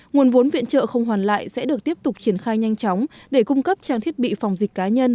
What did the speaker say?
nguồn vốn viện trợ không hoàn lại sẽ được tiếp tục triển khai nhanh chóng để cung cấp trang thiết bị phòng dịch cá nhân